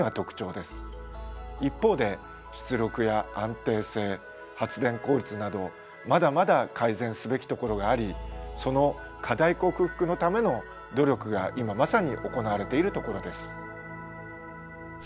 一方で出力や安定性発電効率などまだまだ改善すべきところがありその課題克服のための努力が今まさに行われているところです。